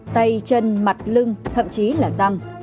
tay chân mặt lưng thậm chí là răng